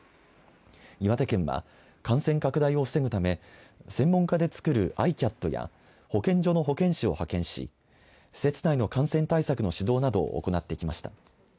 岩手県は、感染拡大を防ぐため専門家でつくるＩＣＡＴや保健所の保健師を派遣し施設内の感染対策の指導などを行ってきました。